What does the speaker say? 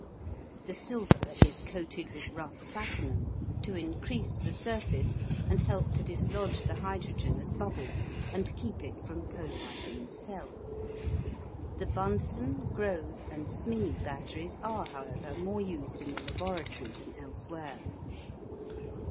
The silver is coated with rough platinum to increase the surface and help to dislodge the hydrogen as bubbles and keep it from polarising the cell. The Bunsen, Grove, and Smee batteries are, however, more used in the laboratory than elsewhere.